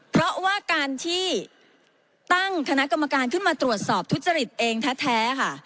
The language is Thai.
เพราะว่าการที่ตั้งคณะกรรมการขึ้นมาตรวจสอบทุจริตเองแท้ค่ะ